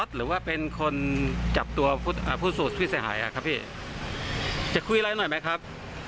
หรือว่าเป็นคนจับตัวผู้สูตรผู้เสียหายครับพี่จะคุยอะไรหน่อยไหมครับ